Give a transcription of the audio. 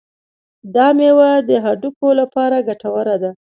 دا میوه د هډوکو لپاره ګټوره ده.